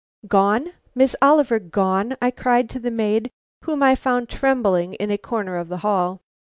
"Gone? Miss Oliver gone?" I cried to the maid whom I found trembling in a corner of the hall.